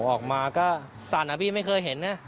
ออกมาก็สั่นนะพี่ไม่เคยเห็นนะ